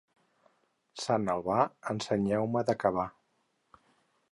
Sant Albà, ensenyeu-me de cavar.